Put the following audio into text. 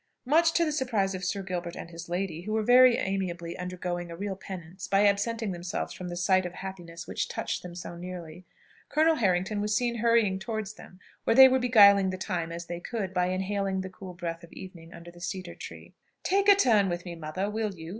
Much to the surprise of Sir Gilbert and his lady, who were very amiably undergoing a real penance, by absenting themselves from the sight of happiness which touched them so nearly, Colonel Harrington was seen hurrying towards them, where they were beguiling the time as they could, by inhaling the cool breath of evening under the cedar tree. "Take a turn with me, mother, will you?"